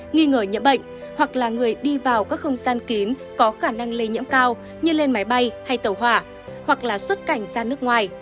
nghi ngờ nhiễm bệnh hoặc là người đi vào các không gian kín có khả năng lây nhiễm cao như lên máy bay hay tàu hỏa hoặc là xuất cảnh ra nước ngoài